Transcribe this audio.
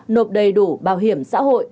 nộp đầy đủ bảo hiểm xã hội